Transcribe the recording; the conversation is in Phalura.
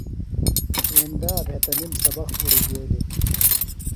ایندا بھےۡ تنِم سبق اُڑیۡ گیلیۡ۔